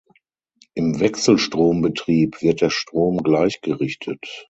Im Wechselstrombetrieb wird der Strom gleichgerichtet.